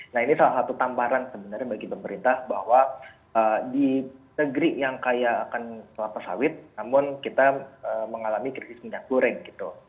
nah ini salah satu tamparan sebenarnya bagi pemerintah bahwa di negeri yang kaya akan kelapa sawit namun kita mengalami krisis minyak goreng gitu